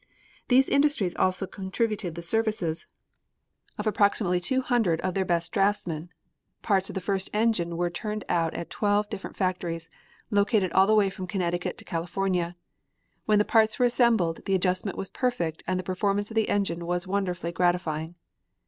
These industries also contributed the services of approximately two hundred of their best draftsmen. Parts of the first engine were turned out at twelve different factories, located all the way from Connecticut to California. When the parts were assembled the adjustment was perfect and the performance of the engine was wonderfully gratifying.